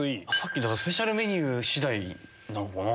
スペシャルメニュー次第なのかな。